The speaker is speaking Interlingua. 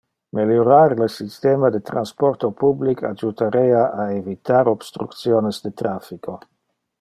Meliorar le systema de transporto public adjutarea a evitar obstructiones de traffico.